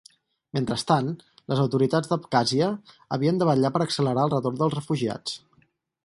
Mentrestant, les autoritats d'Abkhàzia havien de vetllar per accelerar el retorn dels refugiats.